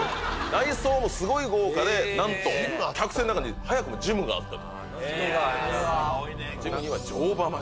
内装もすごい豪華で客船の中に早くもジムがあった。